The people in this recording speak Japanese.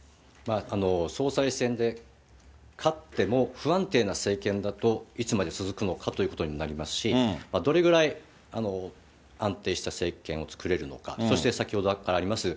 総裁選で勝っても不安定な政権だと、いつまで続くのかということになりますし、どれぐらい安定した政権を作れるのか、そして先ほどからあります